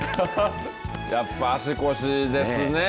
やっぱ足腰ですね。